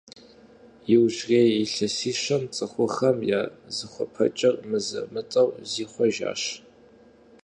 Иужьрей илъэсищэм цӏыхухэм я зыхуэпэкӏэм мызэ-мытӏэу зихъуэжащ.